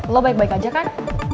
lo baik baik aja kan